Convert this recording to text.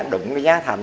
đụng cái giá thành